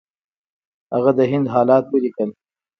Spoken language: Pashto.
هغه د هند حالات ولیکل.